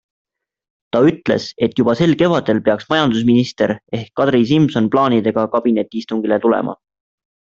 Ta ütles, et juba sel kevadel peaks majandusminister ehk Kadri Simson plaanidega kabinetiistungile tulema.